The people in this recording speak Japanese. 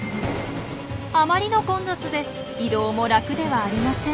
あまりの混雑で移動も楽ではありません。